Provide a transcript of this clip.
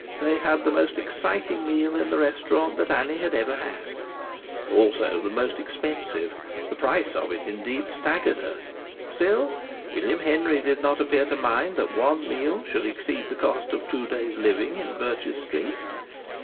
They had the most exciting meal in the restaurant that Annie had ever had; also the most expensive; the price of it indeed staggered her; still, William Henry did not appear to mind that one meal should exceed the cost of two days living in Birches Street.